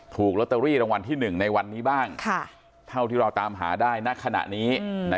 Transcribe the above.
ถูกลอตเตอรี่รางวัลที่๑ในวันนี้บ้างเท่าที่เราตามหาได้ณขณะนี้